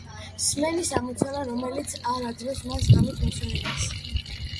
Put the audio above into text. სმენის ამოცანა, რომელიც არ აძლევს მას ღამით მოსვენებას